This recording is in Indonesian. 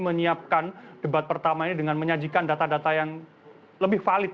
menyiapkan debat pertama ini dengan menyajikan data data yang lebih valid